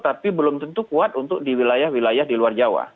tapi belum tentu kuat untuk di wilayah wilayah di luar jawa